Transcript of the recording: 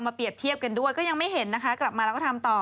เปรียบเทียบกันด้วยก็ยังไม่เห็นนะคะกลับมาแล้วก็ทำต่อ